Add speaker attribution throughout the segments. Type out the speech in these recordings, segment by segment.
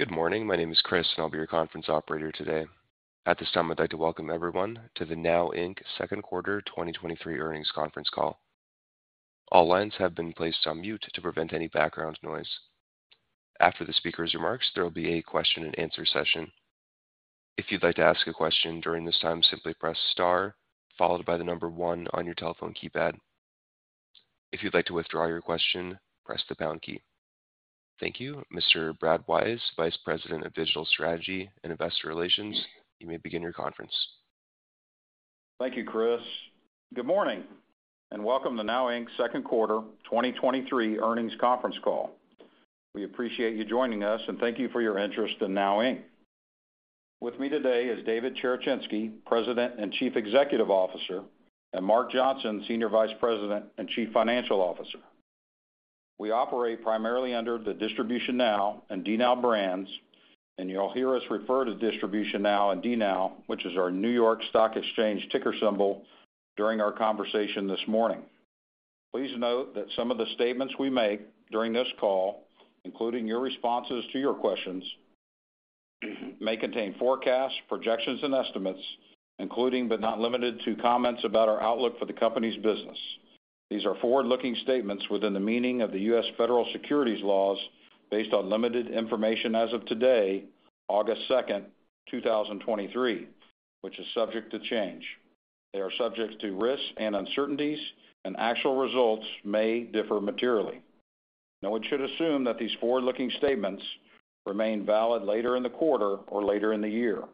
Speaker 1: Good morning. My name is Chris, I'll be your conference operator today. At this time, I'd like to welcome everyone to the DNOW Inc. Q2 2023 earnings conference call. All lines have been placed on mute to prevent any background noise. After the speaker's remarks, there will be a question-and-answer session. If you'd like to ask a question during this time, simply press Star, followed by 1 on your telephone keypad. If you'd like to withdraw your question, press the pound key. Thank you, Mr. Brad Wise, Vice President of Digital Strategy and Investor Relations. You may begin your conference.
Speaker 2: Thank you, Chris. Good morning, welcome to DNOW Inc.'s Q2 2023 earnings conference call. We appreciate you joining us, thank you for your interest in DNOW Inc. With me today is David Cherechinsky, President and Chief Executive Officer, Mark Johnson, Senior Vice President and Chief Financial Officer. We operate primarily under the DistributionNOW and DNOW brands, you'll hear us refer to DistributionNOW and DNOW, which is our New York Stock Exchange ticker symbol, during our conversation this morning. Please note that some of the statements we make during this call, including your responses to your questions, may contain forecasts, projections, and estimates, including, but not limited to, comments about our outlook for the company's business. These are forward-looking statements within the meaning of the U.S. federal securities laws based on limited information as of today, August 2, 2023, which is subject to change. They are subject to risks and uncertainties, actual results may differ materially. No one should assume that these forward-looking statements remain valid later in the quarter or later in the year.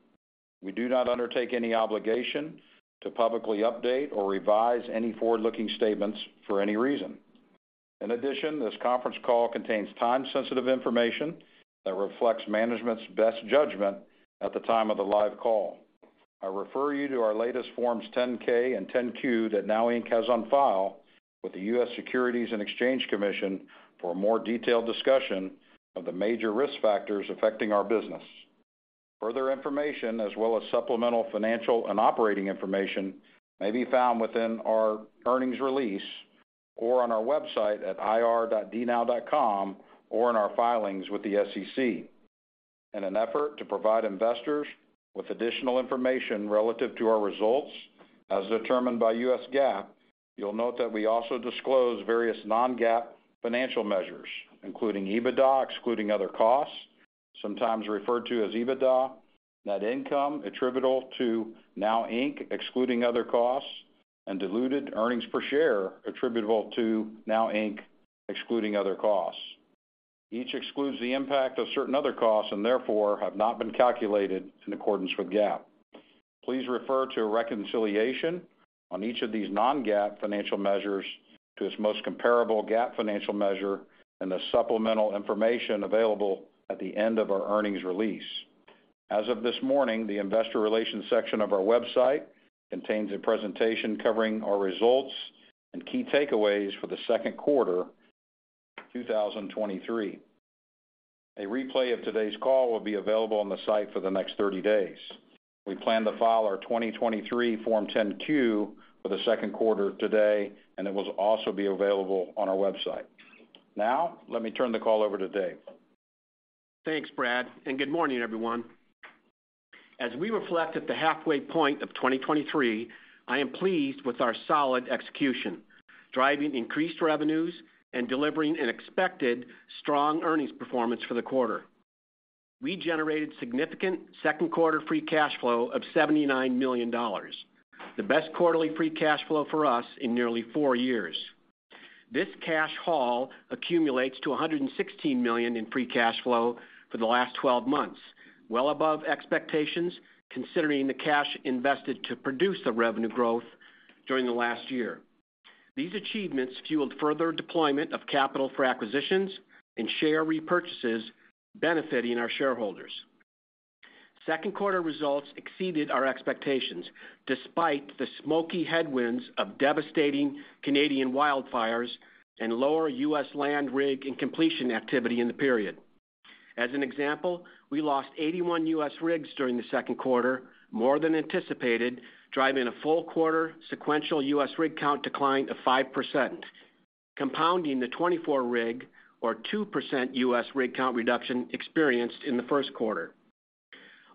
Speaker 2: We do not undertake any obligation to publicly update or revise any forward-looking statements for any reason. In addition, this conference call contains time-sensitive information that reflects management's best judgment at the time of the live call. I refer you to our latest Forms 10-K and 10-Q that DNOW Inc. has on file with the U.S. Securities and Exchange Commission for a more detailed discussion of the major risk factors affecting our business. Further information as well as supplemental financial and operating information may be found within our earnings release or on our website at ir.dnow.com or in our filings with the SEC. In an effort to provide investors with additional information relative to our results as determined by U.S. GAAP, you'll note that we also disclose various non-GAAP financial measures, including EBITDA, excluding other costs, sometimes referred to as EBITDA, net income attributable to DNOW Inc., excluding other costs, and diluted earnings per share attributable to DNOW Inc., excluding other costs. Each excludes the impact of certain other costs and therefore have not been calculated in accordance with GAAP. Please refer to a reconciliation on each of these non-GAAP financial measures to its most comparable GAAP financial measure and the supplemental information available at the end of our earnings release. As of this morning, the investor relations section of our website contains a presentation covering our results and key takeaways for the Q2 2023. A replay of today's call will be available on the site for the next 30 days. We plan to file our 2023 Form 10-Q for the Q2 today, and it will also be available on our website. Now, let me turn the call over to Dave.
Speaker 3: Thanks, Brad. Good morning, everyone. As we reflect at the halfway point of 2023, I am pleased with our solid execution, driving increased revenues and delivering an expected strong earnings performance for the quarter. We generated significant Q2 free cash flow of $79 million, the best quarterly free cash flow for us in nearly four years. This cash haul accumulates to $116 million in free cash flow for the last 12 months, well above expectations, considering the cash invested to produce the revenue growth during the last year. These achievements fueled further deployment of capital for acquisitions and share repurchases, benefiting our shareholders. Q2 results exceeded our expectations, despite the smoky headwinds of devastating Canadian wildfires and lower U.S. land rig and completion activity in the period. As an example, we lost 81 U.S. rigs during the Q2, more than anticipated, driving a full quarter sequential U.S. rig count decline of 5%, compounding the 24 rig or 2% U.S. rig count reduction experienced in the Q1.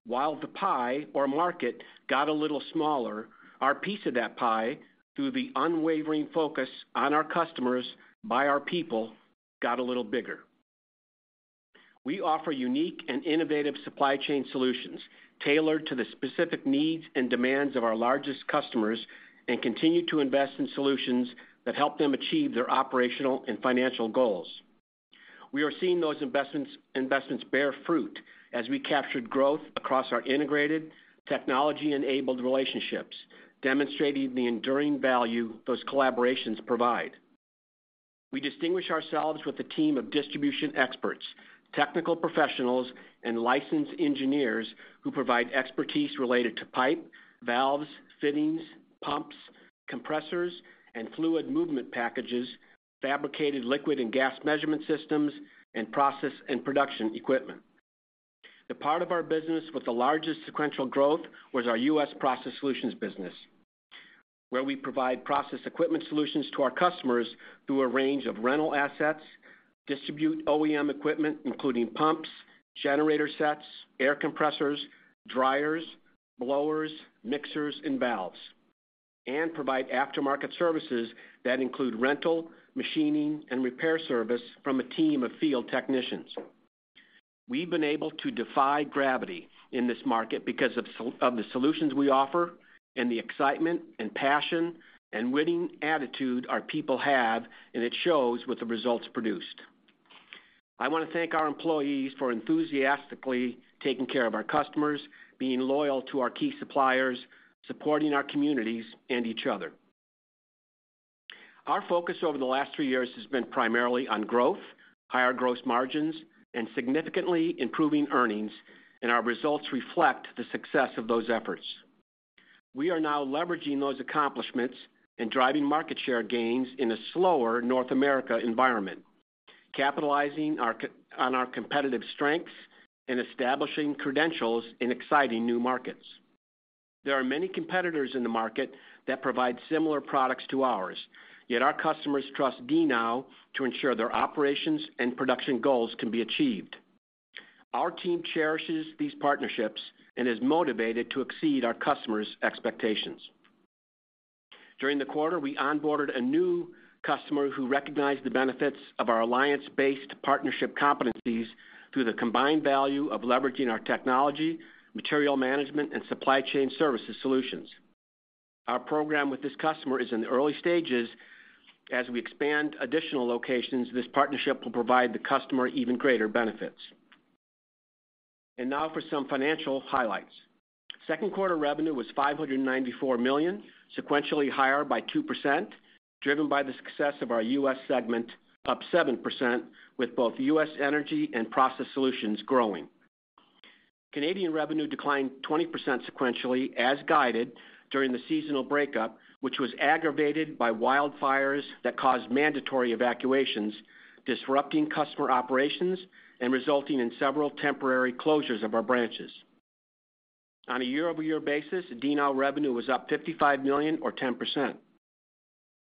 Speaker 3: While the pie or market got a little smaller, our piece of that pie, through the unwavering focus on our customers by our people, got a little bigger. We offer unique and innovative supply chain solutions tailored to the specific needs and demands of our largest customers and continue to invest in solutions that help them achieve their operational and financial goals. We are seeing those investments, investments bear fruit as we captured growth across our integrated technology-enabled relationships, demonstrating the enduring value those collaborations provide. We distinguish ourselves with a team of distribution experts, technical professionals, and licensed engineers who provide expertise related to pipe, valves, fittings, pumps, compressors, and fluid movement packages, fabricated liquid and gas measurement systems, and process and production equipment. The part of our business with the largest sequential growth was our U.S. Process Solutions business. where we provide process equipment solutions to our customers through a range of rental assets, distribute OEM equipment, including pumps, generator sets, air compressors, dryers, blowers, mixers, and valves, and provide aftermarket services that include rental, machining, and repair service from a team of field technicians. We've been able to defy gravity in this market because of the solutions we offer and the excitement and passion and winning attitude our people have, and it shows with the results produced. I want to thank our employees for enthusiastically taking care of our customers, being loyal to our key suppliers, supporting our communities, and each other. Our focus over the last 3 years has been primarily on growth, higher gross margins, and significantly improving earnings. Our results reflect the success of those efforts. We are now leveraging those accomplishments and driving market share gains in a slower North America environment, capitalizing on our competitive strengths and establishing credentials in exciting new markets. There are many competitors in the market that provide similar products to ours, yet our customers trust DNOW to ensure their operations and production goals can be achieved. Our team cherishes these partnerships and is motivated to exceed our customers' expectations. During the quarter, we onboarded a new customer who recognized the benefits of our alliance-based partnership competencies through the combined value of leveraging our technology, material management, and supply chain services solutions. Our program with this customer is in the early stages. As we expand additional locations, this partnership will provide the customer even greater benefits. Now for some financial highlights. Q2 revenue was $594 million, sequentially higher by 2%, driven by the success of our U.S. segment, up 7%, with both U.S. energy and process solutions growing. Canadian revenue declined 20% sequentially, as guided, during the seasonal breakup, which was aggravated by wildfires that caused mandatory evacuations, disrupting customer operations and resulting in several temporary closures of our branches. On a year-over-year basis, DNOW revenue was up $55 million or 10%.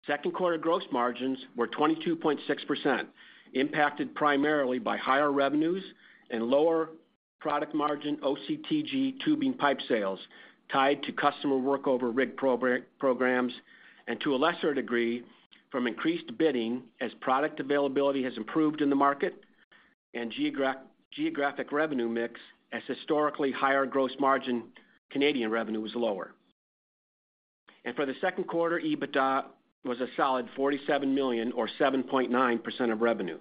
Speaker 3: Q2 gross margins were 22.6%, impacted primarily by higher revenues and lower product margin OCTG tubing pipe sales tied to customer workover rig programs, and to a lesser degree, from increased bidding as product availability has improved in the market and geographic revenue mix as historically higher gross margin Canadian revenue was lower. For the Q2, EBITDA was a solid $47 million or 7.9% of revenue.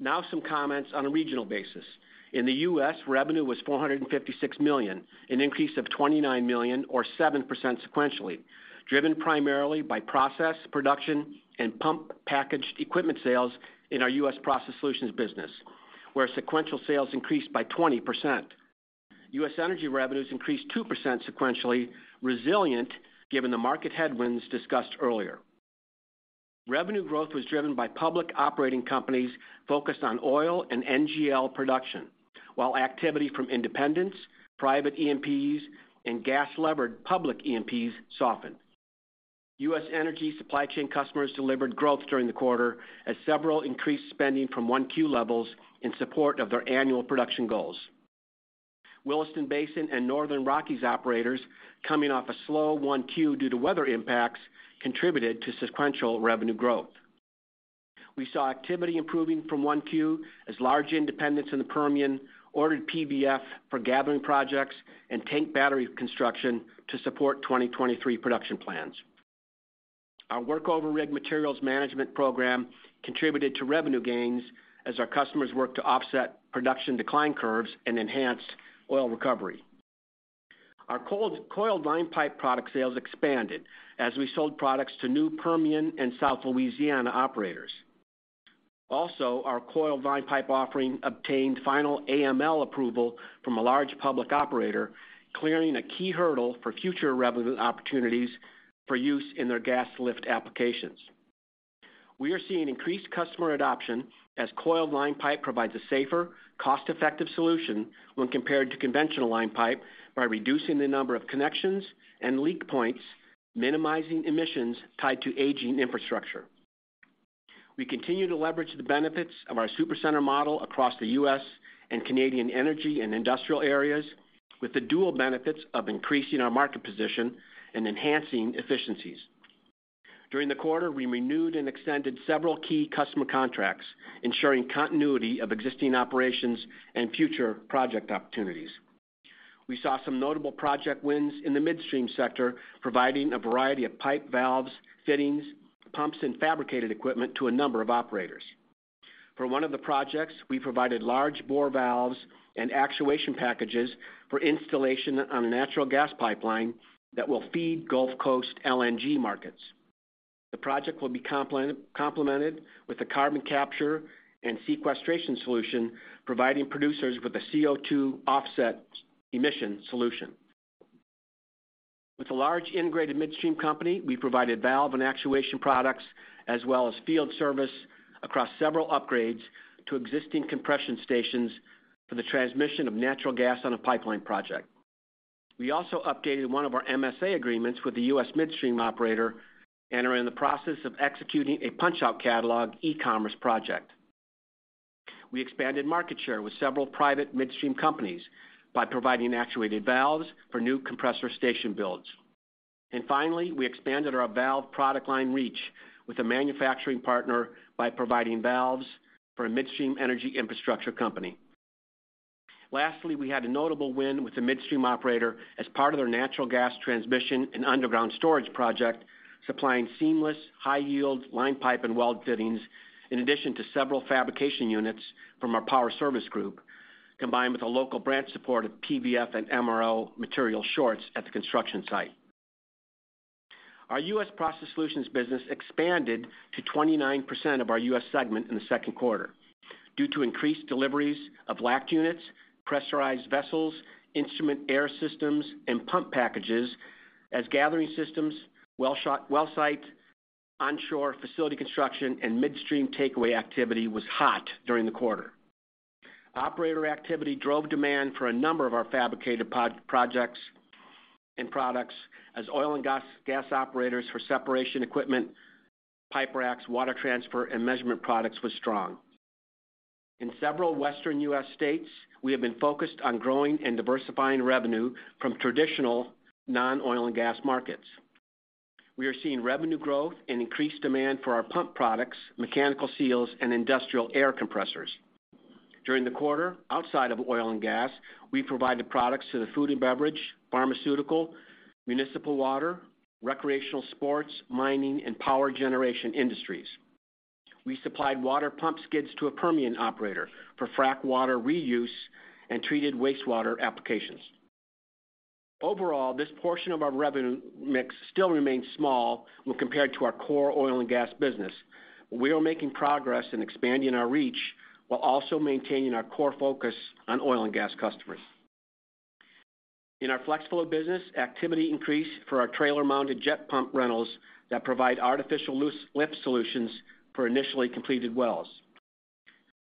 Speaker 3: Now, some comments on a regional basis. In the U.S., revenue was $456 million, an increase of $29 million or 7% sequentially, driven primarily by process, production, and pump packaged equipment sales in our U.S. Process Solutions business, where sequential sales increased by 20%. U.S. energy revenues increased 2% sequentially, resilient, given the market headwinds discussed earlier. Revenue growth was driven by public operating companies focused on oil and NGL production, while activity from independents, private E&Ps, and gas-levered public E&Ps softened. U.S. energy supply chain customers delivered growth during the quarter as several increased spending from 1Q levels in support of their annual production goals. Williston Basin and Northern Rockies operators, coming off a slow 1Q due to weather impacts, contributed to sequential revenue growth. We saw activity improving from 1Q as large independents in the Permian ordered PVF for gathering projects and tank battery construction to support 2023 production plans. Our workover rig materials management program contributed to revenue gains as our customers worked to offset production decline curves and enhanced oil recovery. Our coiled line pipe product sales expanded as we sold products to new Permian and South Louisiana operators. Our coiled line pipe offering obtained final AML approval from a large public operator, clearing a key hurdle for future revenue opportunities for use in their gas lift applications. We are seeing increased customer adoption as coiled line pipe provides a safer, cost-effective solution when compared to conventional line pipe by reducing the number of connections and leak points, minimizing emissions tied to aging infrastructure. We continue to leverage the benefits of our supercenter model across the U.S. and Canadian energy and industrial areas, with the dual benefits of increasing our market position and enhancing efficiencies. During the quarter, we renewed and extended several key customer contracts, ensuring continuity of existing operations and future project opportunities. We saw some notable project wins in the midstream sector, providing a variety of pipe, valves, fittings, pumps, and fabricated equipment to a number of operators. For one of the projects, we provided large bore valves and actuation packages for installation on a natural gas pipeline that will feed Gulf Coast LNG markets. The project will be complimented, complemented with a carbon capture and sequestration solution, providing producers with a CO2 offset emission solution. With a large integrated midstream company, we provided valve and actuation products, as well as field service across several upgrades to existing compression stations for the transmission of natural gas on a pipeline project. We also updated one of our MSA agreements with the U.S. midstream operator and are in the process of executing a punch-out catalog e-commerce project. Finally, we expanded market share with several private midstream companies by providing actuated valves for new compressor station builds. And finally, we expanded our valve product line reach with a manufacturing partner by providing valves for a midstream energy infrastructure company. Lastly, we had a notable win with the midstream operator as part of their natural gas transmission and underground storage project, supplying seamless, high-yield line pipe and weld fittings, in addition to several fabrication units from our Power Service group, combined with a local branch support of PVF and MRO material shorts at the construction site. Our U.S. Process Solutions business expanded to 29% of our U.S. segment in the Q2 due to increased deliveries of LACT units, pressurized vessels, instrument air systems, and pump packages, as gathering systems, well site, onshore facility construction, and midstream takeaway activity was hot during the quarter. Operator activity drove demand for a number of our fabricated pod projects and products as oil and gas, gas operators for separation equipment, pipe racks, water transfer, and measurement products was strong. In several Western US states, we have been focused on growing and diversifying revenue from traditional non-oil and gas markets. We are seeing revenue growth and increased demand for our pump products, mechanical seals, and industrial air compressors. During the quarter, outside of oil and gas, we provided products to the food and beverage, pharmaceutical, municipal water, recreational sports, mining, and power generation industries. We supplied water pump skids to a Permian operator for frack water reuse and treated wastewater applications. Overall, this portion of our revenue mix still remains small when compared to our core oil and gas business. We are making progress in expanding our reach, while also maintaining our core focus on oil and gas customers. In our FlexFlow business, activity increased for our trailer-mounted jet pump rentals that provide artificial lift solutions for initially completed wells.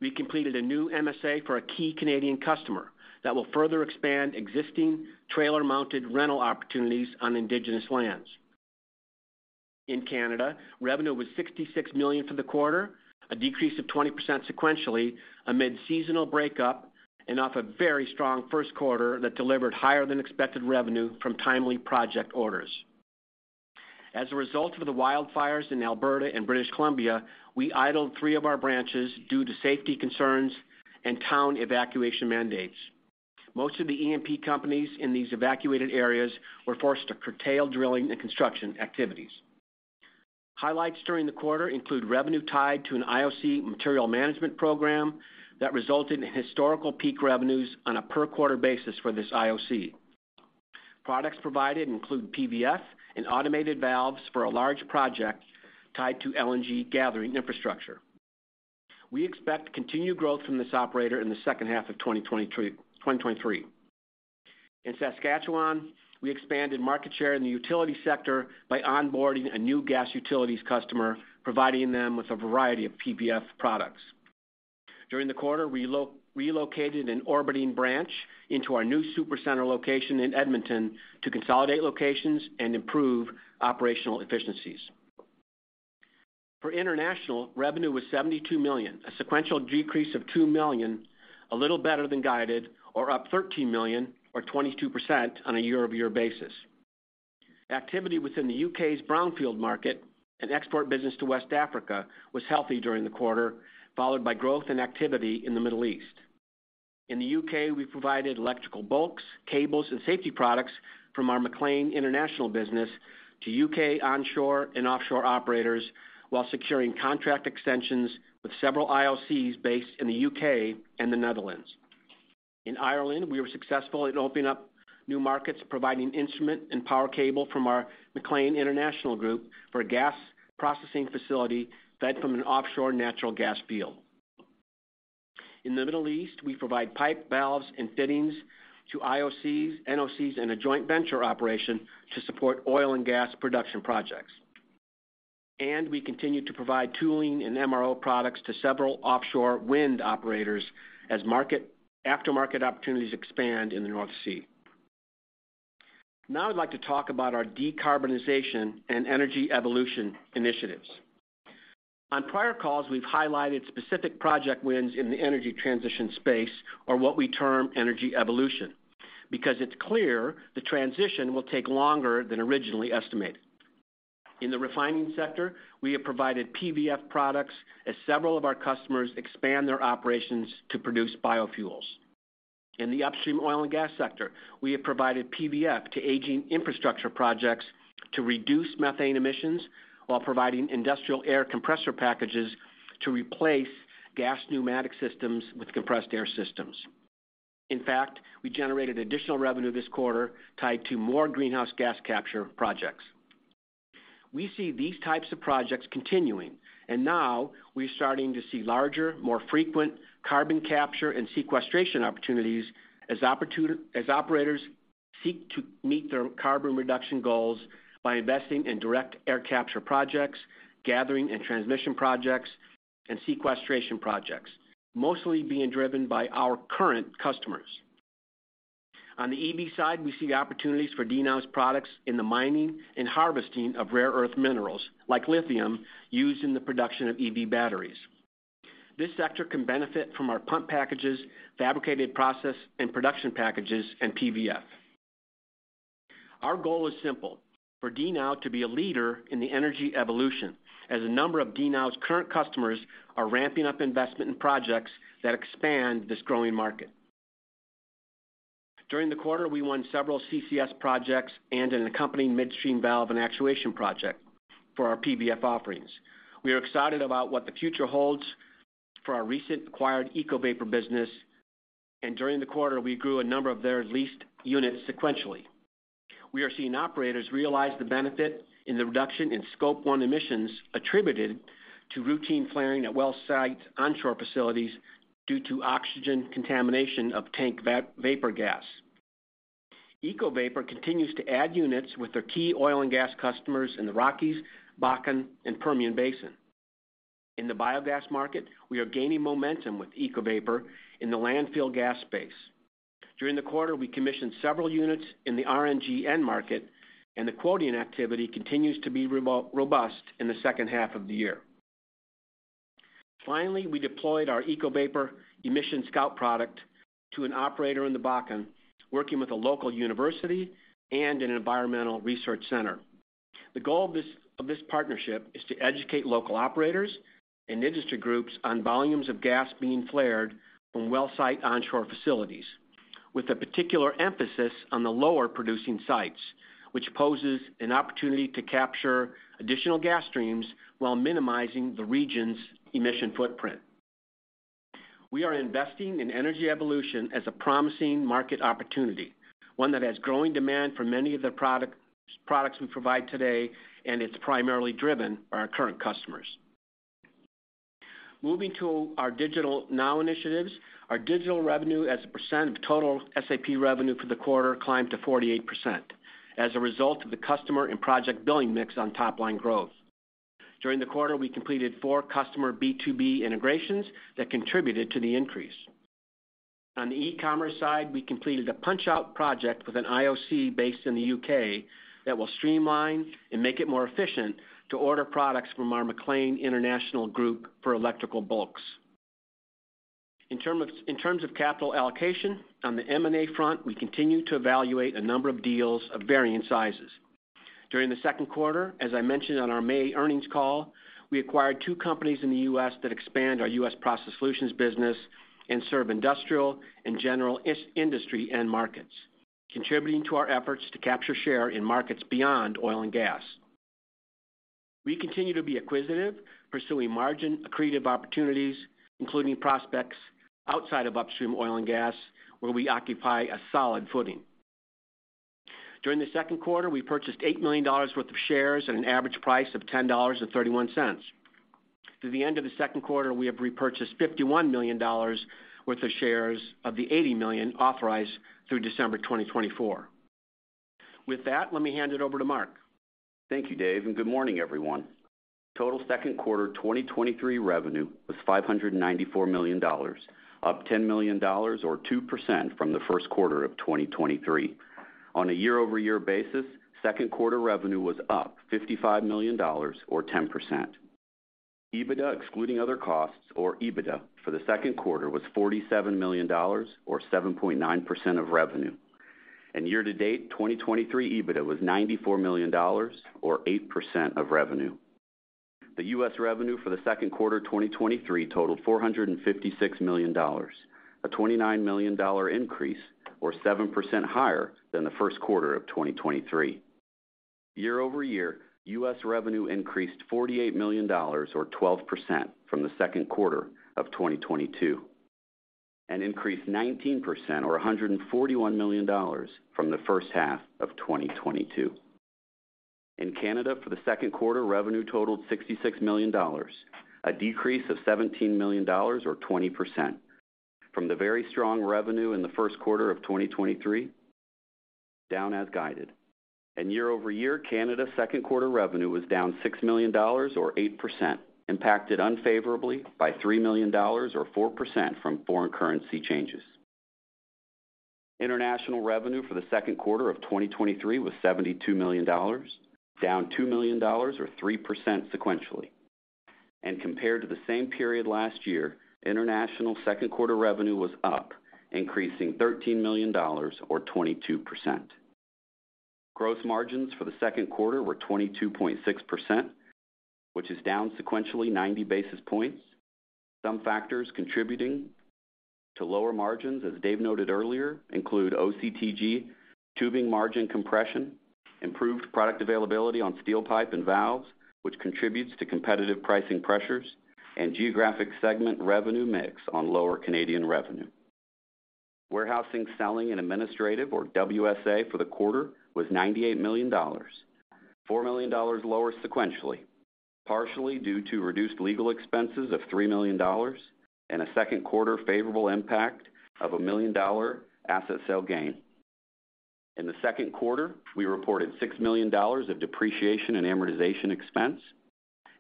Speaker 3: We completed a new MSA for a key Canadian customer that will further expand existing trailer-mounted rental opportunities on indigenous lands. In Canada, revenue was $66 million for the quarter, a decrease of 20% sequentially, amid seasonal breakup and off a very strong Q1 that delivered higher than expected revenue from timely project orders. As a result of the wildfires in Alberta and British Columbia, we idled three of our branches due to safety concerns and town evacuation mandates. Most of the E&P companies in these evacuated areas were forced to curtail drilling and construction activities. Highlights during the quarter include revenue tied to an IOC material management program that resulted in historical peak revenues on a per-quarter basis for this IOC. Products provided include PVF and automated valves for a large project tied to LNG gathering infrastructure. We expect continued growth from this operator in the second half of 2023, 2023. In Saskatchewan, we expanded market share in the utility sector by onboarding a new gas utilities customer, providing them with a variety of PVF products. During the quarter, we relocated an orbiting branch into our new supercenter location in Edmonton to consolidate locations and improve operational efficiencies. For international, revenue was $72 million, a sequential decrease of $2 million, a little better than guided, or up $13 million, or 22% on a year-over-year basis. Activity within the U.K.'s Brownfield market and export business to West Africa was healthy during the quarter, followed by growth and activity in the Middle East. In the U.K., we provided electrical bulks, cables, and safety products from our MacLean International business to U.K. onshore and offshore operators, while securing contract extensions with several IOCs based in the U.K. and the Netherlands. In Ireland, we were successful in opening up new markets, providing instrument and power cable from our MacLean International Group for a gas processing facility fed from an offshore natural gas field. In the Middle East, we provide pipe, valves, and fittings to IOCs, NOCs, and a joint venture operation to support oil and gas production projects. We continue to provide tooling and MRO products to several offshore wind operators as after market opportunities expand in the North Sea. Now, I'd like to talk about our decarbonization and energy evolution initiatives. On prior calls, we've highlighted specific project wins in the energy transition space, or what we term energy evolution, because it's clear the transition will take longer than originally estimated. In the refining sector, we have provided PVF products as several of our customers expand their operations to produce biofuels. In the upstream oil and gas sector, we have provided PVF to aging infrastructure projects to reduce methane emissions while providing industrial air compressor packages to replace gas pneumatic systems with compressed air systems. In fact, we generated additional revenue this quarter tied to more greenhouse gas capture projects. We see these types of projects continuing, and now we're starting to see larger, more frequent carbon capture and sequestration opportunities as operators seek to meet their carbon reduction goals by investing in direct air capture projects, gathering and transmission projects,... and sequestration projects, mostly being driven by our current customers. On the EV side, we see opportunities for DNOW's products in the mining and harvesting of rare earth minerals, like lithium, used in the production of EV batteries. This sector can benefit from our pump packages, fabricated process and production packages, and PVF. Our goal is simple: for DNOW to be a leader in the energy evolution, as a number of DNOW's current customers are ramping up investment in projects that expand this growing market. During the quarter, we won several CCS projects and an accompanying midstream valve and actuation project for our PVF offerings. We are excited about what the future holds for our recent acquired EcoVapor business, and during the quarter, we grew a number of their leased units sequentially. We are seeing operators realize the benefit in the reduction in Scope 1 emissions attributed to routine flaring at well site onshore facilities due to oxygen contamination of tank vapor gas. EcoVapor continues to add units with their key oil and gas customers in the Rockies, Bakken, and Permian Basin. In the biogas market, we are gaining momentum with EcoVapor in the landfill gas space. During the quarter, we commissioned several units in the RNG end market, and the quoting activity continues to be robust in the second half of the year. Finally, we deployed our EcoVapor Emission Scout product to an operator in the Bakken, working with a local university and an environmental research center. The goal of this, of this partnership is to educate local operators and industry groups on volumes of gas being flared from well site onshore facilities, with a particular emphasis on the lower producing sites, which poses an opportunity to capture additional gas streams while minimizing the region's emission footprint. We are investing in energy evolution as a promising market opportunity, one that has growing demand for many of the product, products we provide today, and it's primarily driven by our current customers. Moving to our DigitalNOW initiatives, our digital revenue as a percent of total SAP revenue for the quarter climbed to 48%, as a result of the customer and project billing mix on top-line growth. During the quarter, we completed 4 customer B2B integrations that contributed to the increase. On the e-commerce side, we completed a punch-out project with an IOC based in the UK, that will streamline and make it more efficient to order products from our MacLean International Group for electrical bulks. In terms of capital allocation, on the M&A front, we continue to evaluate a number of deals of varying sizes. During the Q2, as I mentioned on our May earnings call, we acquired two companies in the U.S. that expand our U.S. Process Solutions business and serve industrial and general industry end markets, contributing to our efforts to capture share in markets beyond oil and gas. We continue to be acquisitive, pursuing margin accretive opportunities, including prospects outside of upstream oil and gas, where we occupy a solid footing. During the Q2, we purchased $8 million worth of shares at an average price of $10.31. Through the end of the Q2, we have repurchased $51 million worth of shares of the $80 million authorized through December 2024. With that, let me hand it over to Mark.
Speaker 4: Thank you, Dave. Good morning, everyone. Total Q2 2023 revenue was $594 million, up $10 million or 2% from the Q1 of 2023. On a year-over-year basis, Q2 revenue was up $55 million or 10%. EBITDA, excluding other costs, or EBITDA, for the Q2, was $47 million or 7.9% of revenue. Year-to-date 2023 EBITDA was $94 million or 8% of revenue. The U.S. revenue for the Q2 2023 totaled $456 million, a $29 million increase, or 7% higher than the Q1 of 2023. Year over year, U.S. revenue increased $48 million or 12% from the Q2 of 2022, and increased 19% or $141 million from the first half of 2022. In Canada, for the Q2, revenue totaled $66 million, a decrease of $17 million or 20% from the very strong revenue in the Q1 of 2023, down as guided. Year-over-year, Canada Q2 revenue was down $6 million or 8%, impacted unfavorably by $3 million or 4% from foreign currency changes. International revenue for the Q2 of 2023 was $72 million, down $2 million or 3% sequentially. Compared to the same period last year, international Q2 revenue was up, increasing $13 million or 22%. Gross margins for the Q2 were 22.6%, which is down sequentially 90 basis points. Some factors contributing to lower margins, as Dave noted earlier, include OCTG, tubing margin compression, improved product availability on steel pipe and valves, which contributes to competitive pricing pressures, and geographic segment revenue mix on lower Canadian revenue. Warehousing, selling, and administrative, or WSA, for the quarter was $98 million, $4 million lower sequentially, partially due to reduced legal expenses of $3 million and a Q2 favorable impact of a $1 million asset sale gain. In the Q2, we reported $6 million of depreciation and amortization expense.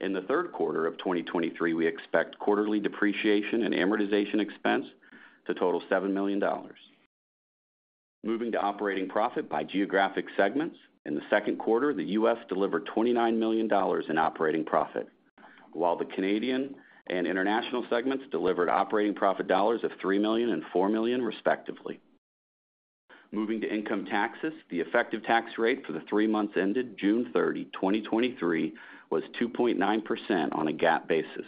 Speaker 4: In the third quarter of 2023, we expect quarterly depreciation and amortization expense to total $7 million. Moving to operating profit by geographic segments. In the Q2, the U.S. delivered $29 million in operating profit, while the Canadian and international segments delivered operating profit dollars of $3 million and $4 million, respectively. Moving to income taxes, the effective tax rate for the three months ended June 30, 2023, was 2.9% on a GAAP basis.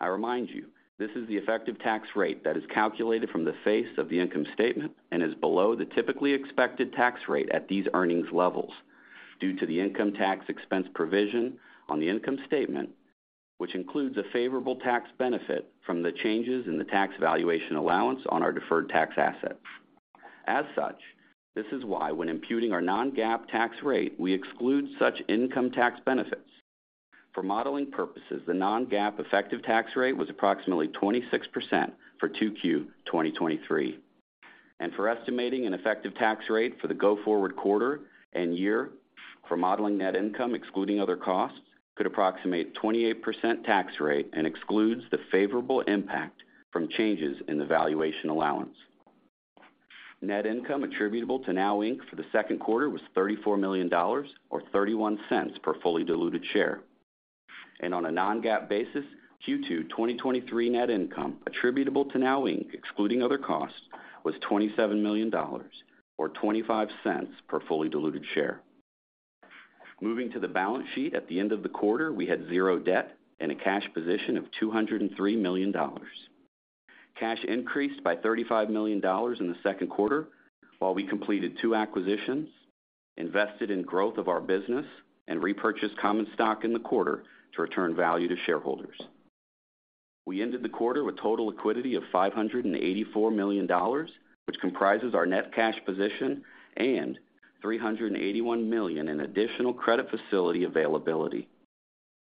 Speaker 4: I remind you, this is the effective tax rate that is calculated from the face of the income statement and is below the typically expected tax rate at these earnings levels due to the income tax expense provision on the income statement, which includes a favorable tax benefit from the changes in the tax valuation allowance on our deferred tax assets. As such, this is why when imputing our non-GAAP tax rate, we exclude such income tax benefits. For modeling purposes, the non-GAAP effective tax rate was approximately 26% for 2Q 2023. For estimating an effective tax rate for the go-forward quarter and year for modeling net income, excluding other costs, could approximate 28% tax rate and excludes the favorable impact from changes in the valuation allowance. Net income attributable to DNOW Inc. for the Q2 was $34 million, or $0.31 per fully diluted share. On a non-GAAP basis, Q2 2023 net income attributable to DNOW Inc., excluding other costs, was $27 million, or $0.25 per fully diluted share. Moving to the balance sheet. At the end of the quarter, we had 0 debt and a cash position of $203 million. Cash increased by $35 million in the Q2, while we completed two acquisitions, invested in growth of our business, and repurchased common stock in the quarter to return value to shareholders. We ended the quarter with total liquidity of $584 million, which comprises our net cash position and $381 million in additional credit facility availability.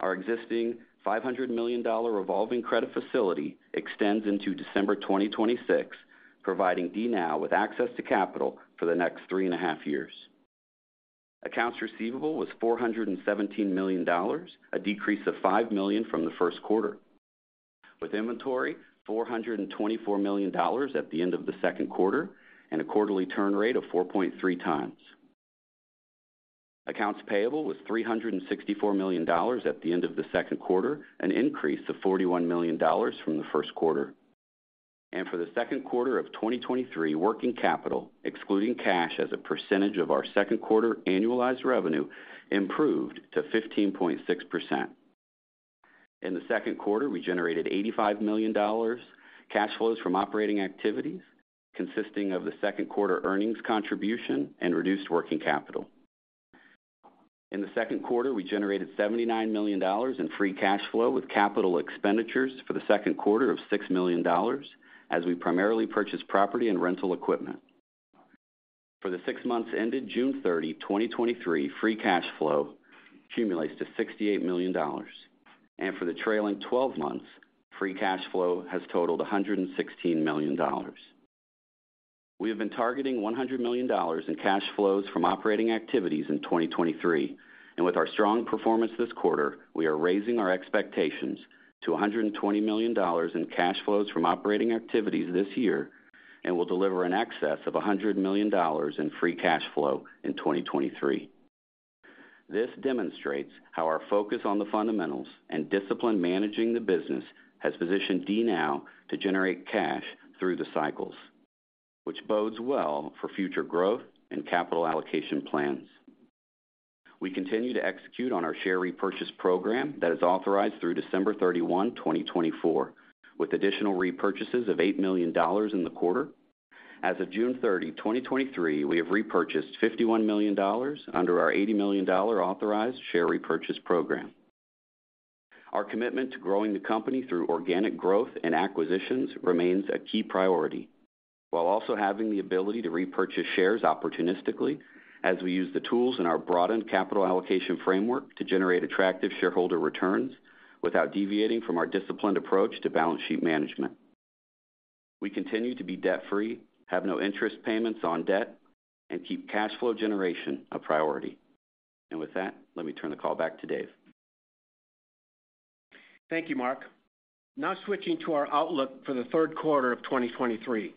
Speaker 4: Our existing $500 million revolving credit facility extends into December 2026, providing DNOW with access to capital for the next 3.5 years. Accounts receivable was $417 million, a decrease of $5 million from the Q1, with inventory $424 million at the end of the Q2, and a quarterly turn rate of 4.3 times. Accounts payable was $364 million at the end of the Q2, an increase of $41 million from the Q1. For the Q2 of 2023, working capital, excluding cash as a percentage of our Q2 annualized revenue, improved to 15.6%. In the Q2, we generated $85 million cash flows from operating activities, consisting of the Q2 earnings contribution and reduced working capital. In the Q2, we generated $79 million in free cash flow, with capital expenditures for the Q2 of $6 million, as we primarily purchased property and rental equipment. For the six months ended June 30, 2023, free cash flow accumulates to $68 million. For the trailing twelve months, free cash flow has totaled $116 million. We have been targeting $100 million in cash flows from operating activities in 2023, and with our strong performance this quarter, we are raising our expectations to $120 million in cash flows from operating activities this year and will deliver in excess of $100 million in free cash flow in 2023. This demonstrates how our focus on the fundamentals and discipline managing the business has positioned DNOW to generate cash through the cycles, which bodes well for future growth and capital allocation plans. We continue to execute on our share repurchase program that is authorized through December 31, 2024, with additional repurchases of $8 million in the quarter. As of June 30, 2023, we have repurchased $51 million under our $80 million authorized share repurchase program. Our commitment to growing the company through organic growth and acquisitions remains a key priority, while also having the ability to repurchase shares opportunistically as we use the tools in our broadened capital allocation framework to generate attractive shareholder returns without deviating from our disciplined approach to balance sheet management. We continue to be debt-free, have no interest payments on debt, and keep cash flow generation a priority. With that, let me turn the call back to Dave.
Speaker 3: Thank you, Mark. Switching to our outlook for the third quarter of 2023.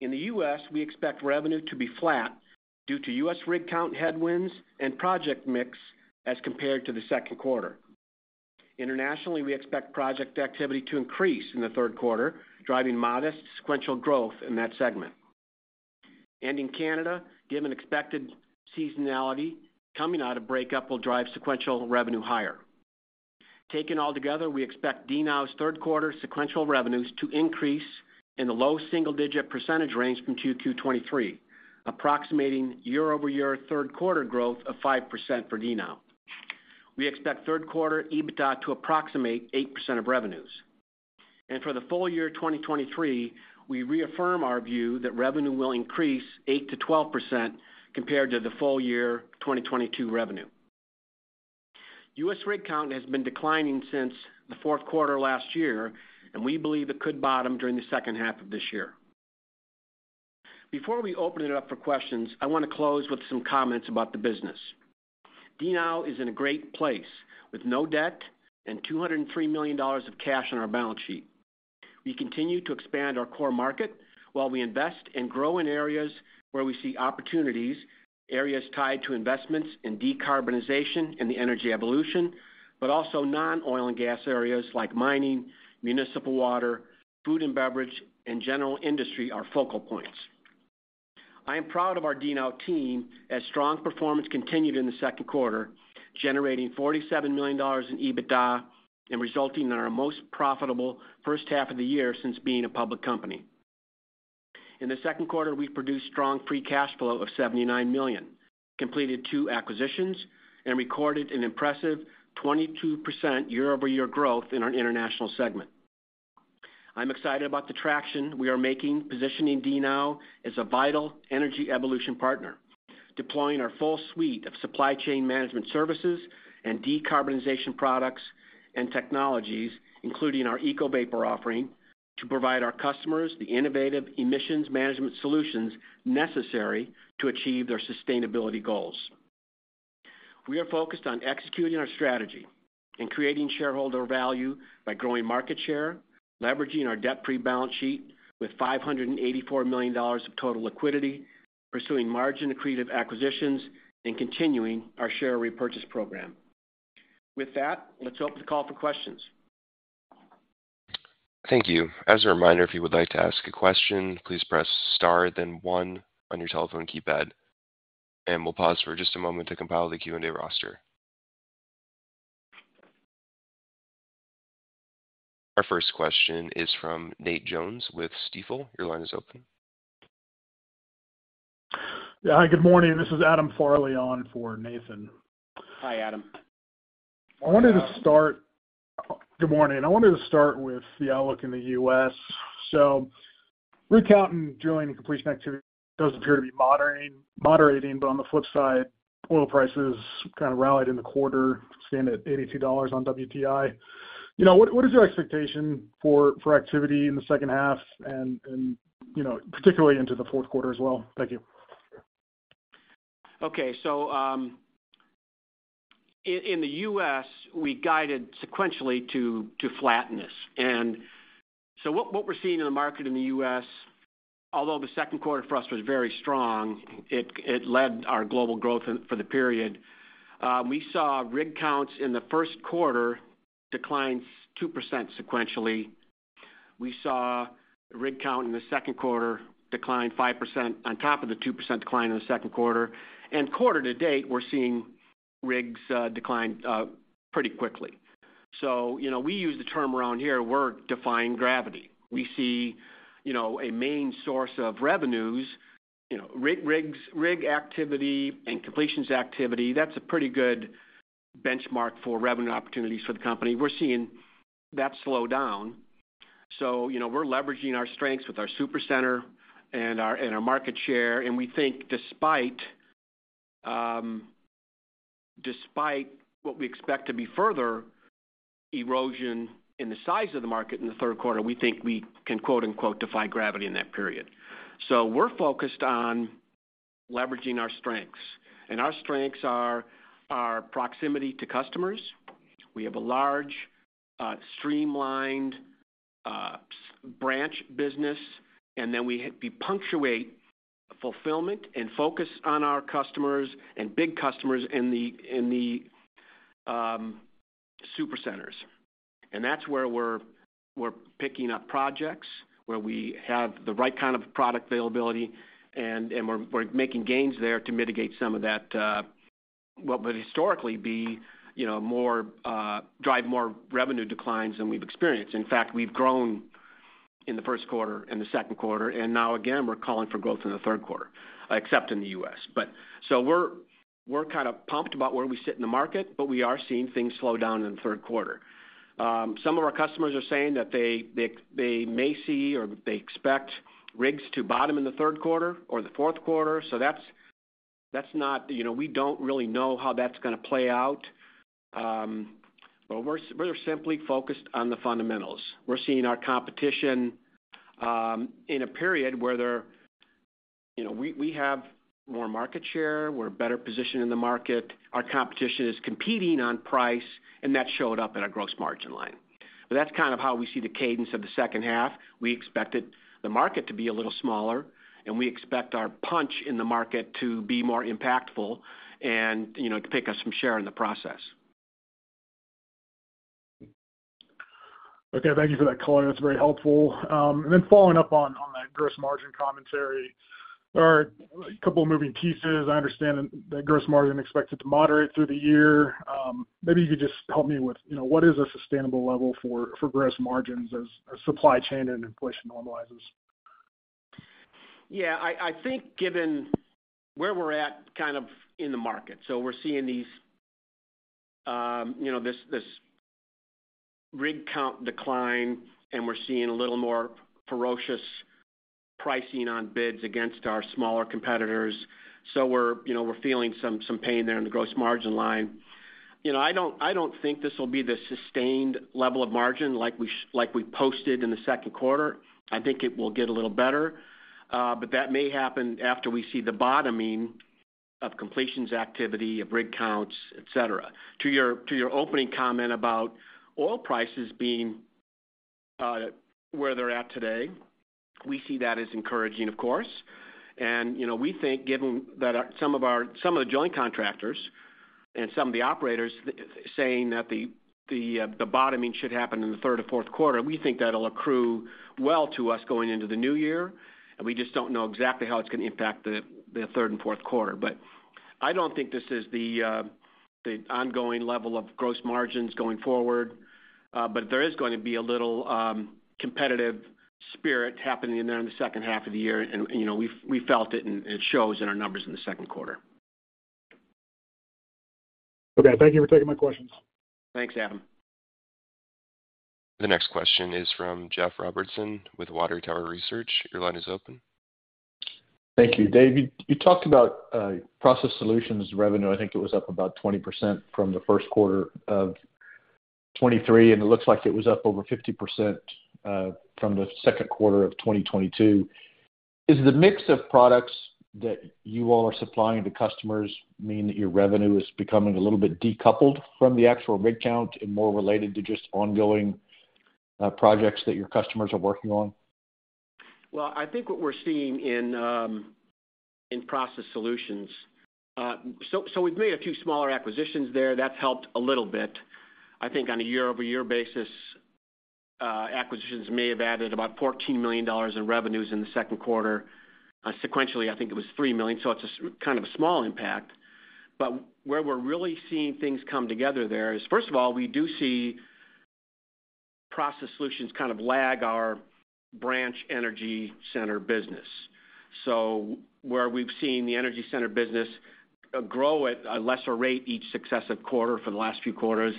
Speaker 3: In the U.S., we expect revenue to be flat due to U.S. rig count headwinds and project mix as compared to the Q2. Internationally, we expect project activity to increase in the third quarter, driving modest sequential growth in that segment. In Canada, given expected seasonality, coming out of breakup will drive sequential revenue higher. Taken altogether, we expect DNOW's third quarter sequential revenues to increase in the low single-digit % range from Q2 2023, approximating year-over-year third quarter growth of 5% for DNOW. We expect third quarter EBITDA to approximate 8% of revenues. For the full year 2023, we reaffirm our view that revenue will increase 8%-12% compared to the full year 2022 revenue. U.S. rig count has been declining since the 4th quarter last year. We believe it could bottom during the 2nd half of this year. Before we open it up for questions, I want to close with some comments about the business. DNOW is in a great place, with no debt and $203 million of cash on our balance sheet. We continue to expand our core market while we invest and grow in areas where we see opportunities, areas tied to investments in decarbonization and the energy evolution, but also non-oil and gas areas like mining, municipal water, food and beverage, and general industry are focal points. I am proud of our DNOW team, as strong performance continued in the 2nd quarter, generating $47 million in EBITDA and resulting in our most profitable 1st half of the year since being a public company. In the Q2, we produced strong free cash flow of $79 million, completed two acquisitions, and recorded an impressive 22% year-over-year growth in our international segment. I'm excited about the traction we are making, positioning DNOW as a vital energy evolution partner, deploying our full suite of supply chain management services and decarbonization products and technologies, including our EcoVapor offering, to provide our customers the innovative emissions management solutions necessary to achieve their sustainability goals. We are focused on executing our strategy and creating shareholder value by growing market share, leveraging our debt-free balance sheet with $584 million of total liquidity, pursuing margin-accretive acquisitions, and continuing our share repurchase program. With that, let's open the call for questions.
Speaker 1: Thank you. As a reminder, if you would like to ask a question, please press star, then 1 on your telephone keypad. We'll pause for just a moment to compile the Q&A roster. Our first question is from Nathan Jones with Stifel. Your line is open.
Speaker 5: Yeah. Hi, good morning. This is Adam Farley on for Nathan.
Speaker 3: Hi, Adam.
Speaker 5: I wanted to start. Good morning. I wanted to start with the outlook in the U.S. Rig count and drilling and completion activity does appear to be moderating, moderating. On the flip side, oil prices kind of rallied in the quarter, staying at $82 on WTI. You know, what is your expectation for activity in the second half and, you know, particularly into the fourth quarter as well? Thank you.
Speaker 3: Okay, in the U.S., we guided sequentially to flatness. What we're seeing in the market in the U.S., although the Q2 for us was very strong, it led our global growth for the period. We saw rig counts in the Q1 decline 2% sequentially. We saw rig count in the Q2 decline 5% on top of the 2% decline in the Q2. Quarter to date, we're seeing rigs decline pretty quickly. You know, we use the term around here, we're defying gravity. We see, you know, a main source of revenues, you know, rig, rigs, rig activity and completions activity, that's a pretty good benchmark for revenue opportunities for the company. We're seeing that slow down. You know, we're leveraging our strengths with our supercenter and our, and our market share, and we think despite, despite what we expect to be further erosion in the size of the market in the third quarter, we think we can quote, unquote, "defy gravity" in that period. We're focused on leveraging our strengths, and our strengths are, are proximity to customers. We have a large, streamlined, branch business, and then we, we punctuate fulfillment and focus on our customers and big customers in the, in the supercenters. That's where we're, we're picking up projects, where we have the right kind of product availability, and, and we're, we're making gains there to mitigate some of that, what would historically be, you know, more, drive more revenue declines than we've experienced. In fact, we've grown in the Q1 and the Q2, and now again, we're calling for growth in the third quarter, except in the U.S. We're, we're kind of pumped about where we sit in the market, but we are seeing things slow down in the third quarter. Some of our customers are saying that they, they, they may see, or they expect rigs to bottom in the third quarter or the fourth quarter. That's, that's not. You know, we don't really know how that's gonna play out. We're, we're simply focused on the fundamentals. We're seeing our competition, in a period where they're... You know, we, we have more market share. We're better positioned in the market. Our competition is competing on price, and that showed up in our gross margin line. That's kind of how we see the cadence of the second half. We expected the market to be a little smaller, and we expect our punch in the market to be more impactful and, you know, to pick up some share in the process.
Speaker 5: Okay, thank you for that color. That's very helpful. Then following up on, on that gross margin commentary, there are a couple of moving pieces. I understand that gross margin expected to moderate through the year. Maybe you could just help me with, you know, what is a sustainable level for, for gross margins as our supply chain and inflation normalizes?
Speaker 3: Yeah, I, I think given where we're at kind of in the market, so we're seeing these, you know, rig count decline, and we're seeing a little more ferocious pricing on bids against our smaller competitors. We're, you know, we're feeling some, some pain there in the gross margin line. You know, I don't, I don't think this will be the sustained level of margin like we like we posted in the Q2. I think it will get a little better, but that may happen after we see the bottoming of completions activity, of rig counts, et cetera. To your, to your opening comment about oil prices being, where they're at today, we see that as encouraging, of course. You know, we think, given that some of our, some of the joint contractors and some of the operators saying that the bottoming should happen in the third or fourth quarter, we think that'll accrue well to us going into the new year. We just don't know exactly how it's gonna impact the third and fourth quarter. I don't think this is the ongoing level of gross margins going forward. But there is going to be a little competitive spirit happening in there in the second half of the year. You know, we felt it, and it shows in our numbers in the Q2.
Speaker 5: Okay, thank you for taking my questions.
Speaker 3: Thanks, Adam.
Speaker 1: The next question is from Jeff Robertson with Water Tower Research. Your line is open.
Speaker 6: Thank you. Dave, you, you talked about Process Solutions revenue. I think it was up about 20% from the Q1 of 2023, and it looks like it was up over 50% from the Q2 of 2022. Is the mix of products that you all are supplying to customers mean that your revenue is becoming a little bit decoupled from the actual rig count and more related to just ongoing projects that your customers are working on?
Speaker 3: Well, I think what we're seeing in Process Solutions. We've made a few smaller acquisitions there. That's helped a little bit. I think on a year-over-year basis, acquisitions may have added about $14 million in revenues in the Q2. Sequentially, I think it was $3 million, so it's a kind of a small impact. Where we're really seeing things come together there is, first of all, we do see Process Solutions kind of lag our branch energy center business. Where we've seen the energy center business grow at a lesser rate each successive quarter for the last few quarters,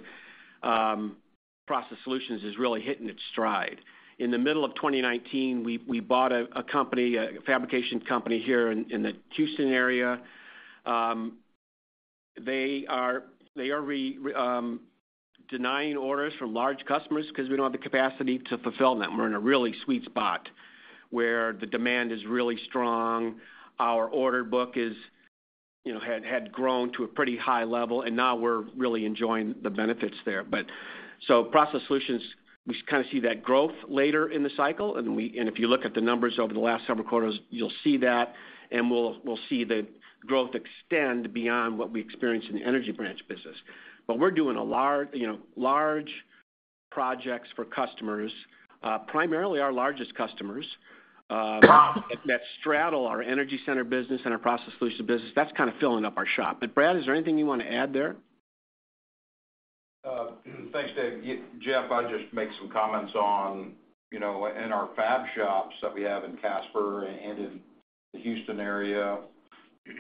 Speaker 3: Process Solutions is really hitting its stride. In the middle of 2019, we, we bought a, a company, a fabrication company here in the Houston area. They are, they are denying orders from large customers 'cause we don't have the capacity to fulfill them. We're in a really sweet spot where the demand is really strong. Our order book is, you know, had grown to a pretty high level, and now we're really enjoying the benefits there. Process solutions, we kind of see that growth later in the cycle. We and if you look at the numbers over the last several quarters, you'll see that, and we'll see the growth extend beyond what we experienced in the energy branch business. We're doing a large, you know, large projects for customers, primarily our largest customers, that straddle our energy center business and our process solutions business. That's kind of filling up our shop. Brad, is there anything you wanna add there?
Speaker 2: Thanks, Dave. Jeff, I'll just make some comments on, you know, in our fab shops that we have in Casper and in the Houston area,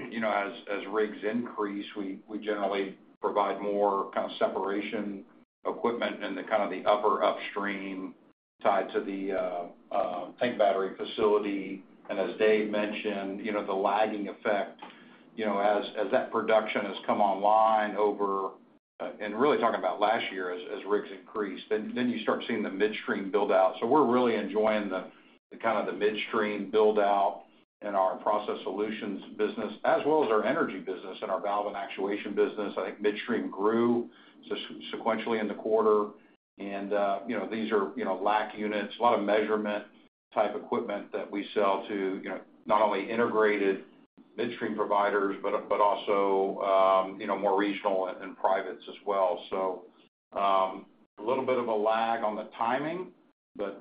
Speaker 2: you know, as, as rigs increase, we, we generally provide more kind of separation equipment in the, kind of the upper upstream side to the tank battery facility. As Dave mentioned, you know, the lagging effect, you know, as, as that production has come online over and really talking about last year as, as rigs increased, then, then you start seeing the midstream build out. We're really enjoying the, kind of the midstream build out in our process solutions business, as well as our energy business and our valve and actuation business. I think midstream grew sequentially in the quarter. You know, these are, you know, LACT units, a lot of measurement type equipment that we sell to, you know, not only integrated midstream providers, but, but also, you know, more regional and privates as well. A little bit of a lag on the timing, but,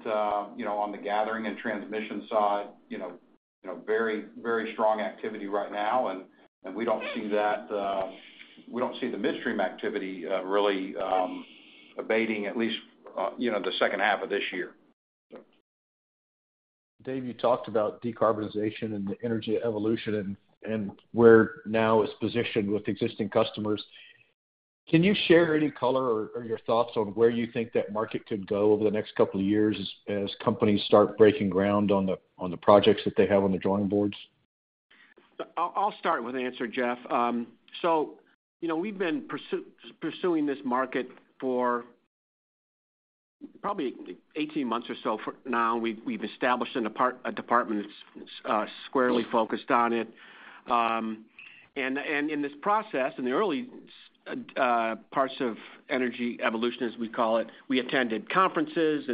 Speaker 2: you know, on the gathering and transmission side, you know, very, very strong activity right now. We don't see that, we don't see the midstream activity, really, abating at least, you know, the second half of this year.
Speaker 6: Dave, you talked about decarbonization and the energy evolution and, and where DNOW it's positioned with existing customers. Can you share any color or, or your thoughts on where you think that market could go over the next couple of years as, as companies start breaking ground on the, on the projects that they have on the drawing boards?
Speaker 3: I'll, I'll start with the answer, Jeff. You know, we've been pursuing this market for probably 18 months or so for now. We've, we've established in a department that's squarely focused on it. In this process, in the early parts of energy evolution, as we call it, we attended conferences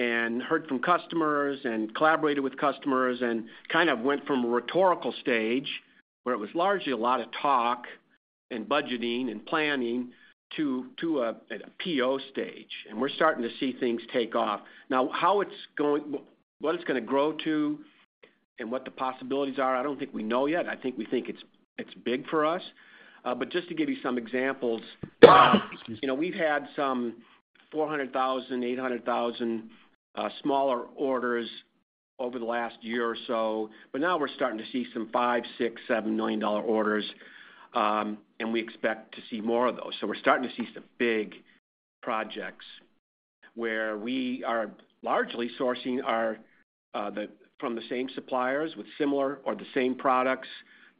Speaker 3: and heard from customers and collaborated with customers, and kind of went from a rhetorical stage, where it was largely a lot of talk and budgeting and planning, to, to a, a PO stage. We're starting to see things take off. What it's gonna grow to and what the possibilities are, I don't think we know yet. I think we think it's, it's big for us. Just to give you some examples, you know, we've had some $400,000, $800,000 smaller orders over the last year or so, but now we're starting to see some $5 million, $6 million, $7 million orders, and we expect to see more of those. We're starting to see some big projects where we are largely sourcing our from the same suppliers with similar or the same products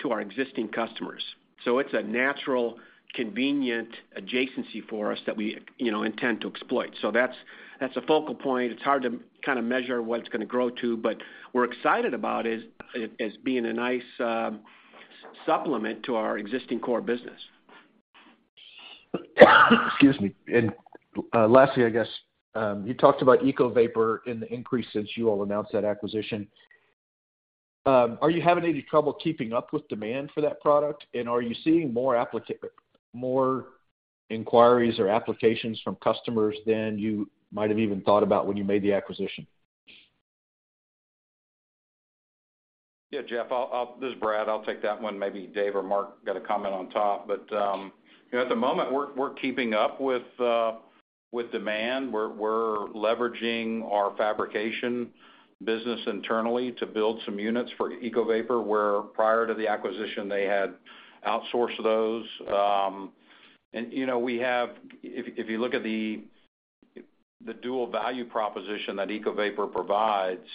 Speaker 3: to our existing customers. It's a natural, convenient adjacency for us that we, you know, intend to exploit. That's, that's a focal point. It's hard to kind of measure what it's gonna grow to, but we're excited about it, it as being a nice supplement to our existing core business.
Speaker 6: Excuse me. Lastly, I guess, you talked about EcoVapor and the increase since you all announced that acquisition. Are you having any trouble keeping up with demand for that product? Are you seeing more inquiries or applications from customers than you might have even thought about when you made the acquisition?
Speaker 2: Yeah, Jeff, I'll. This is Brad. I'll take that one, maybe Dave or Mark got a comment on top. You know, at the moment, we're keeping up with demand. We're leveraging our fabrication business internally to build some units for EcoVapor, where prior to the acquisition, they had outsourced those. You know, if, if you look at the dual value proposition that EcoVapor provides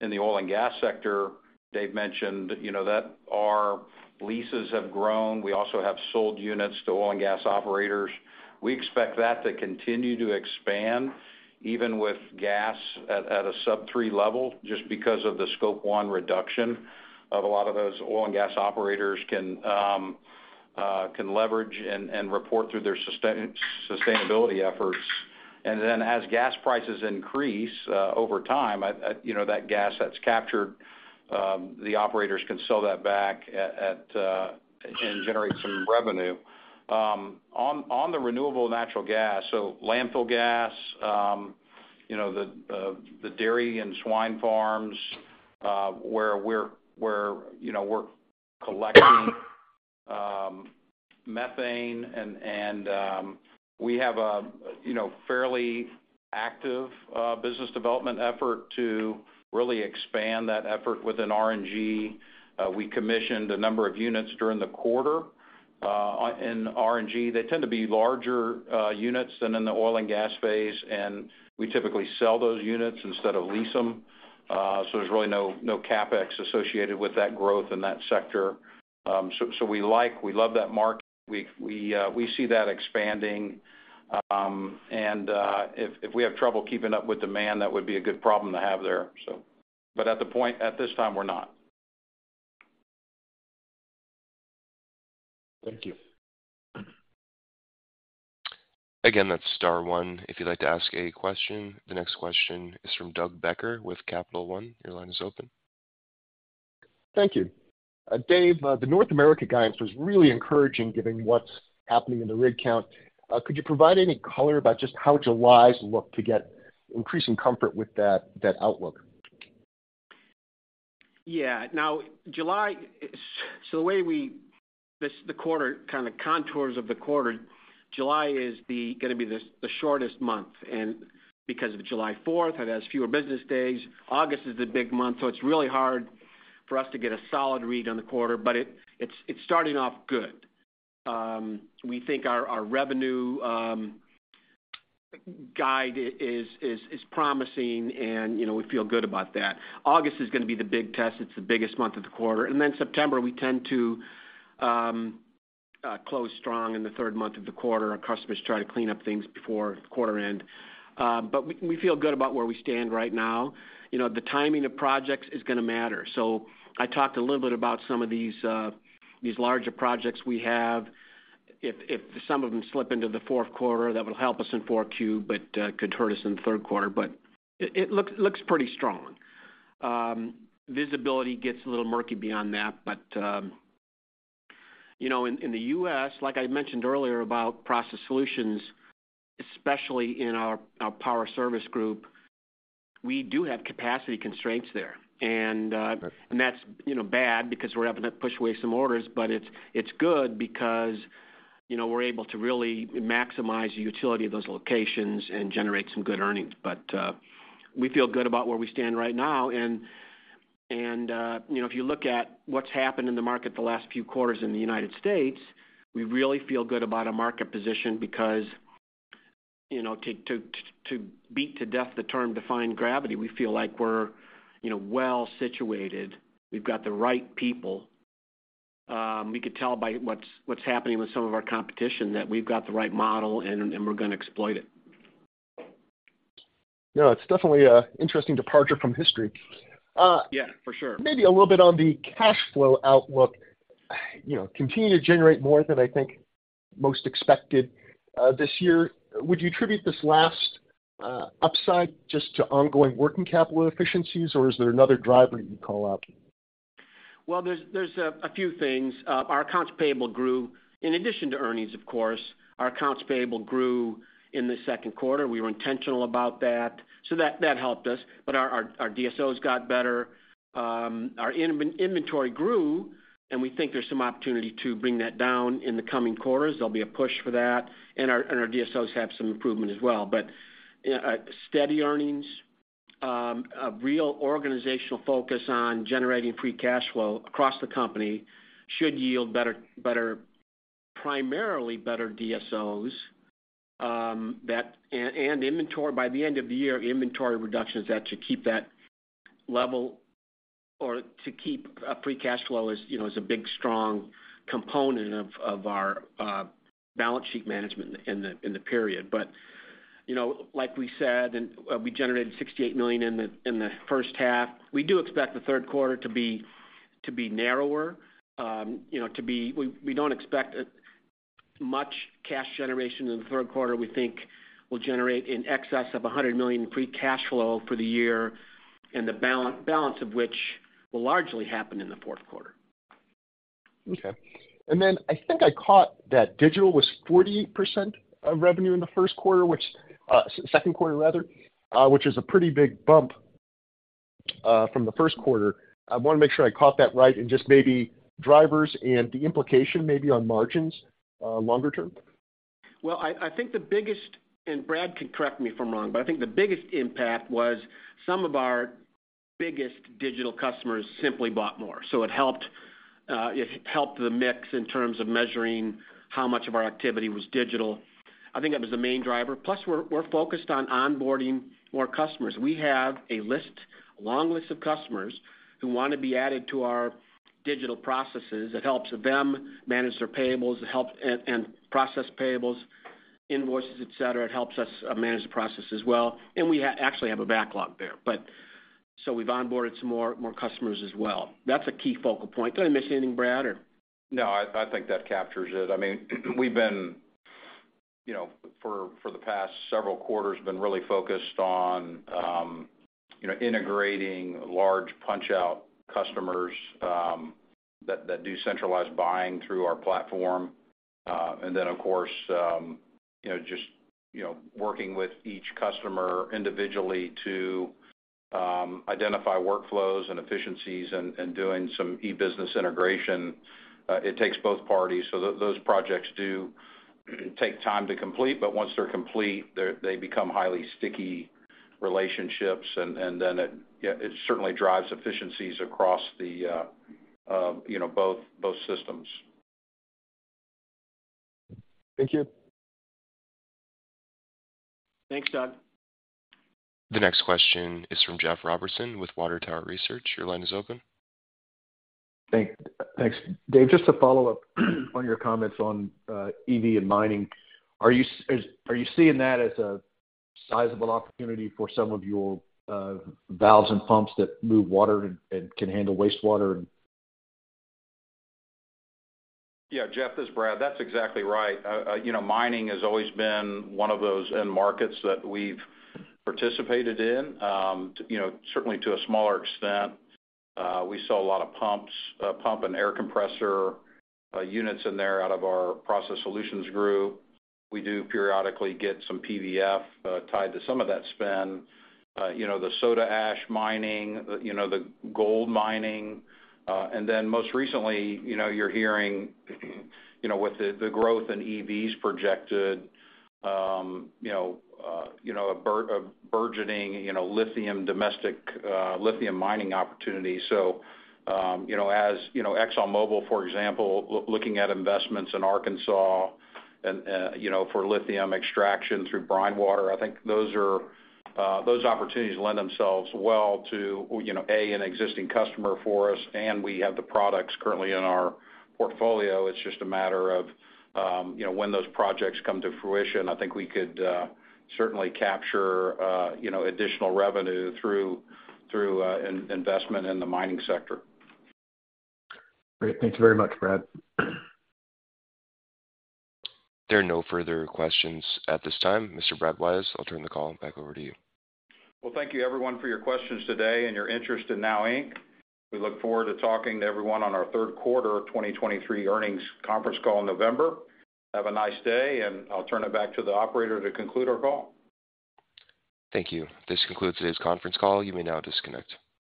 Speaker 2: in the oil and gas sector, Dave mentioned, you know, that our leases have grown. We also have sold units to oil and gas operators. We expect that to continue to expand, even with gas at a sub-3 level, just because of the Scope 1 reduction of a lot of those oil and gas operators can leverage and report through their sustainability efforts. As gas prices increase, over time, I, I, you know, that gas that's captured, the operators can sell that back at and generate some revenue. On, on the renewable natural gas, so landfill gas, you know, the dairy and swine farms, where we're, where, you know, we're collecting methane and, and, we have a, you know, fairly active business development effort to really expand that effort within RNG. We commissioned a number of units during the quarter in RNG. They tend to be larger units than in the oil and gas phase, and we typically sell those units instead of lease them. There's really no, no CapEx associated with that growth in that sector. We like, we love that market. We, we see that expanding. If, if we have trouble keeping up with demand, that would be a good problem to have there. At the point, at this time, we're not.
Speaker 6: Thank you.
Speaker 1: Again, that's star one, if you'd like to ask a question. The next question is from Doug Becker with Capital One. Your line is open.
Speaker 7: Thank you. Dave, the North America guidance was really encouraging, given what's happening in the rig count. Could you provide any color about just how July's look to get increasing comfort with that, that outlook?
Speaker 3: Yeah. Now, July, so the way we this, the quarter, kind of, contours of the quarter, July is the, gonna be the shortest month, and because of July Fourth, it has fewer business days. August is the big month. It's really hard for us to get a solid read on the quarter, but it, it's, it's starting off good. We think our, our revenue guide is, is, is promising, and, you know, we feel good about that. August is gonna be the big test. It's the biggest month of the quarter. September, we tend to close strong in the third month of the quarter. Our customers try to clean up things before quarter end. We feel good about where we stand right now. You know, the timing of projects is gonna matter. I talked a little bit about some of these, these larger projects we have. If, if some of them slip into the fourth quarter, that will help us in four Q, but could hurt us in the third quarter. It, it looks, looks pretty strong. Visibility gets a little murky beyond that, but, you know, in, in the U.S., like I mentioned earlier about process solutions, especially in our, our Power Service group, we do have capacity constraints there.
Speaker 7: Right.
Speaker 3: That's, you know, bad because we're having to push away some orders, but it's good because you know, we're able to really maximize the utility of those locations and generate some good earnings. We feel good about where we stand right now. And, you know, if you look at what's happened in the market the last few quarters in the United States, we really feel good about our market position because you know, to beat to death the term defying gravity, we feel like we're, you know, well situated. We've got the right people. We could tell by what's happening with some of our competition, that we've got the right model, and we're gonna exploit it.
Speaker 7: Yeah, it's definitely a interesting departure from history.
Speaker 3: Yeah, for sure.
Speaker 7: Maybe a little bit on the cash flow outlook. You know, continuing to generate more than I think most expected, this year. Would you attribute this last upside just to ongoing working capital efficiencies, or is there another driver you'd call out?
Speaker 3: Well, there's a few things. Our accounts payable grew, in addition to earnings, of course, our accounts payable grew in the Q2. We were intentional about that, so that helped us. Our DSOs got better. Our inventory grew, and we think there's some opportunity to bring that down in the coming quarters. There'll be a push for that, and our DSOs have some improvement as well. Steady earnings. A real organizational focus on generating free cash flow across the company should yield better, better, primarily better DSOs, that and inventory, by the end of the year, inventory reductions that should keep that level or to keep free cash flow as, you know, as a big, strong component of our balance sheet management in the period. You know, like we said, and, we generated $68 million in the, in the first half. We do expect the third quarter to be, to be narrower, you know, we, we don't expect much cash generation in the third quarter. We think we'll generate in excess of $100 million in free cash flow for the year, and the balance, balance of which will largely happen in the fourth quarter.
Speaker 7: Okay. Then I think I caught that digital was 48% of revenue in the Q1, which, Q2 rather, which is a pretty big bump, from the Q1. I want to make sure I caught that right and just maybe drivers and the implication maybe on margins, longer term.
Speaker 3: Well, I, I think the biggest, and Brad can correct me if I'm wrong, but I think the biggest impact was some of our biggest digital customers simply bought more. It helped, it helped the mix in terms of measuring how much of our activity was digital. I think that was the main driver. Plus, we're, we're focused on onboarding more customers. We have a list, a long list of customers who want to be added to our digital processes. It helps them manage their payables, it and, and process payables, invoices, et cetera. It helps us manage the process as well, and we actually have a backlog there. We've onboarded some more, more customers as well. That's a key focal point. Did I miss anything, Brad, or?
Speaker 2: No, I, I think that captures it. I mean, we've been, you know, for, for the past several quarters, been really focused on, you know, integrating large punch-out customers, that, that do centralized buying through our platform. Then, of course, you know, just, you know, working with each customer individually to identify workflows and efficiencies and doing some e-business integration. It takes both parties, so those projects do take time to complete, but once they're complete, they're, they become highly sticky relationships, and, and then it, yeah, it certainly drives efficiencies across the, you know, both, both systems.
Speaker 7: Thank you.
Speaker 3: Thanks, Doug.
Speaker 1: The next question is from Jeff Robertson with Water Tower Research. Your line is open.
Speaker 6: Thanks. Dave, just to follow up on your comments on EV and mining. Are you seeing that as a sizable opportunity for some of your valves and pumps that move water and, and can handle wastewater and?
Speaker 2: Yeah, Jeff, this is Brad. That's exactly right. You know, mining has always been one of those end markets that we've participated in. You know, certainly to a smaller extent, we sell a lot of pumps, pump and air compressor units in there out of our Process Solutions Group. We do periodically get some PVF tied to some of that spend. You know, the soda ash mining, you know, the gold mining, and then most recently, you know, you're hearing, you know, with the, the growth in EVs projected, you know, a burgeoning, you know, lithium, domestic, lithium mining opportunity. You know, ExxonMobil, for example, looking at investments in Arkansas and, you know, for lithium extraction through brine water, I think those are, those opportunities lend themselves well to, you know, A, an existing customer for us, and we have the products currently in our portfolio. It's just a matter of, you know, when those projects come to fruition, I think we could certainly capture, you know, additional revenue through, through, investment in the mining sector.
Speaker 6: Great. Thank you very much, Brad.
Speaker 1: There are no further questions at this time. Mr. Brad Wise, I'll turn the call back over to you.
Speaker 3: Well, thank you everyone for your questions today and your interest in NOW Inc. We look forward to talking to everyone on our third quarter of 2023 earnings conference call in November. Have a nice day, and I'll turn it back to the operator to conclude our call.
Speaker 1: Thank you. This concludes today's conference call. You may now disconnect.